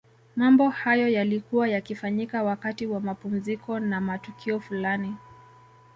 Mambo hayo yalikuwa yakifanyika wakati wa mapumziko na matukio fulani